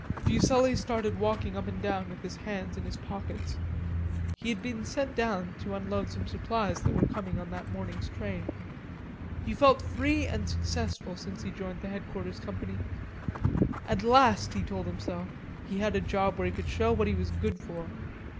Fuselli started walking up and down with his hands in his pockets. He had been sent down to unload some supplies that were coming on that morning's train. He felt free and successful since he joined the headquarters company! At last, he told himself, he had a job where he could show what he was good for.